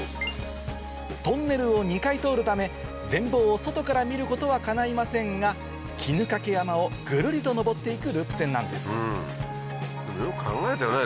トンネルを２回通るため全貌を外から見ることはかないませんが衣掛山をぐるりと登って行くループ線なんですよく考えたよね